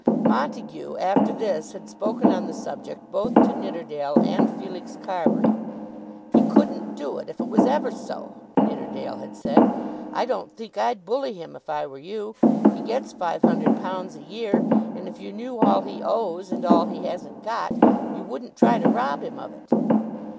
Montague after this had spoken on the subject both to Nidderdale and Felix Carbury. "He couldn't do it, if it was ever so," Nidderdale had said. "I don't think I'd bully him if I were you. He gets £500 a year, and if you knew all he owes, and all he hasn't got, you wouldn't try to rob him of it."